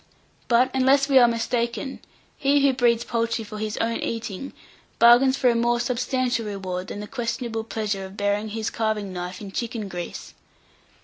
But, unless we are mistaken, he who breeds poultry for his own eating, bargains for a more substantial reward than the questionable pleasure of burying his carving knife in chicken grease.